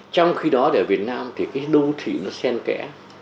trong khi đó ở việt nam thì cái đô thị nó sen kẽ